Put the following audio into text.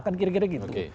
kan kira kira begitu